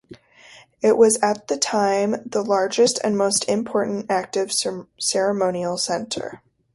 It was at the time the largest and most important active ceremonial center.